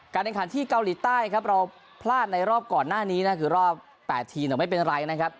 แข่งขันที่เกาหลีใต้ครับเราพลาดในรอบก่อนหน้านี้นะคือรอบ๘ทีมแต่ไม่เป็นไรนะครับ